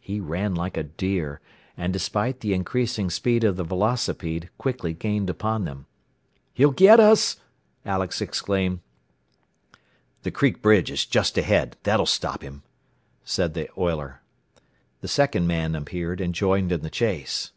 He ran like a deer, and despite the increasing speed of the velocipede, quickly gained upon them. "He'll get us!" Alex exclaimed. "The creek bridge is just ahead. That'll stop him," said the oiler. The second man appeared, and joined in the chase.